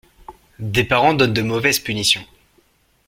Des parents donnent de mauvaises punitions.